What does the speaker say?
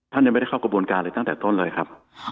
ท่านยังไม่ได้เข้ากระบวนการเลยตั้งแต่ต้นเลยครับ